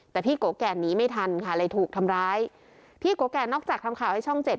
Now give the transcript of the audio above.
แต่พี่โกแก่หนีไม่ทันค่ะเลยถูกทำร้ายพี่โกแก่นอกจากทำข่าวให้ช่องเจ็ด